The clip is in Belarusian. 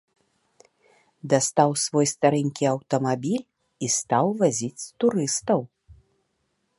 Дастаў свой старэнькі аўтамабіль і стаў вазіць турыстаў.